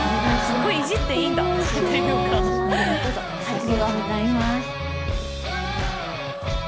ありがとうございます。